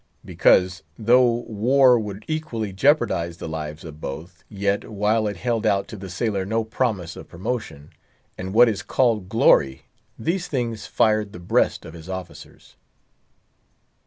Because, though war would equally jeopardize the lives of both, yet, while it held out to the sailor no promise of promotion, and what is called glory, these things fired the breast of his officers.